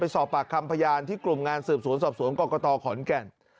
สอบปากคำพยานที่กลุ่มงานสืบสวนสอบสวนกรกตขอนแก่น